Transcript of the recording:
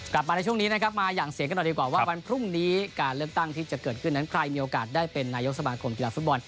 กลับมาในช่วงนี้นะครับมาอย่างเสียงกันหน่อยดีกว่าว่าวันพรุ่งนี้การเลือกตั้งที่จะเกิดขึ้นนั้นใครมีโอกาสได้เป็นนายกสมาคมกีฬาฟุตบอล